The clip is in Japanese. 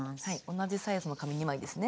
同じサイズの紙２枚ですね。